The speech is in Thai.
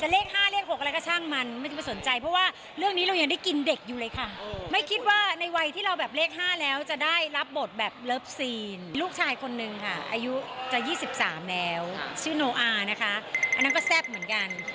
ลูกชายคนหนึ่งค่ะอายุจะ๒๓แล้วชื่อโนอาร์นะคะอันนั้นก็แซ่บเหมือนกัน